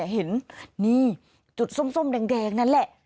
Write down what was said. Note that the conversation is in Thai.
เห็นนี่จุดส้มแดงนั่นแหละ